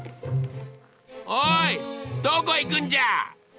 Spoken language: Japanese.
おいどこ行くんじゃ。